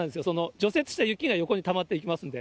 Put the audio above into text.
除雪した雪が横にたまっていきますんで。